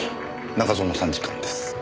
中園参事官です。